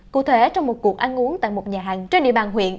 cụ thể trong một cuộc ăn uống tại một nhà hàng trên địa bàn huyện